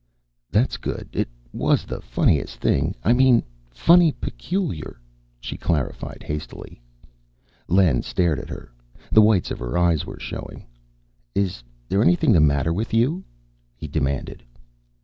"That's good. It was the funniest thing I mean funny peculiar," she clarified hastily. Len stared at her; the whites of her eyes were showing: "Is there anything the matter with you?" he demanded.